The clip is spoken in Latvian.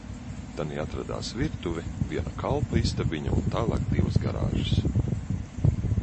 Tanī atradās virtuve, viena kalpa istabiņa un tālāk divas garāžas.